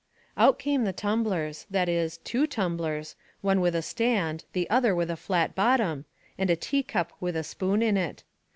Out came the tumblers that is, two tumblers, one with a stand, the other with a flat bottom, and a tea cup with a spoon in it.